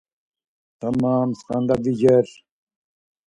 Tamam, skanda vicer.